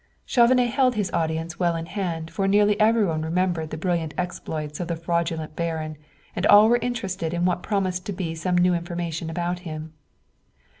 Chauvenet held his audience well in hand, for nearly every one remembered the brilliant exploits of the fraudulent baron, and all were interested in what promised to be some new information about him.